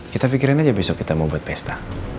kita pikirin aja besok kita mau buat pesta